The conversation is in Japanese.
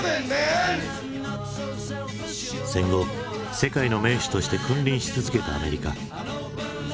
戦後世界の盟主として君臨し続けたアメリカ。